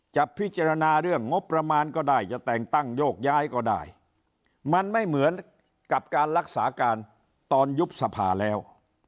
จะพิจารณาเรื่องงบประมาณก็ได้จะแต่งตั้งโยกย้ายก็ได้มันไม่เหมือนกับการรักษาการตอนยุบสภาแล้ว